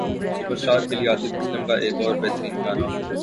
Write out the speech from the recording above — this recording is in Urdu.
سپراسٹار کے لیے عاطف اسلم کا ایک اور بہترین گانا